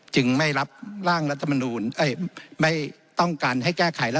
จึงไม่รับร่างรัฐบรนูนเอ้ยไม่ต้องการให้แก้ไขรรับ